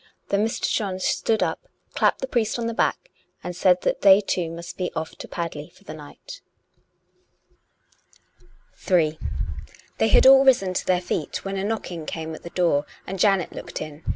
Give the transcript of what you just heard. Then Mr. John stood up, clapped the priest on the back, and said that they two must be off to Padley for the night. S68 COME RACK! COME ROPE! Ill They had all risen to their feet when a knocking came on the door, and Janet looked in.